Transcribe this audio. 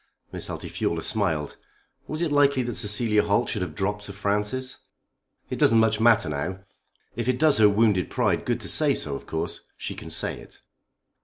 Miss Altifiorla smiled. Was it likely that Cecilia Holt should have dropped Sir Francis? "It doesn't much matter now. If it does her wounded pride good to say so of course she can say it."